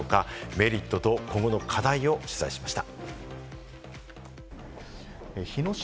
メリットと今後の課題を取材しました。